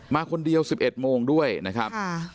มาคนเดียว๑๑โมงด้วยนะครับ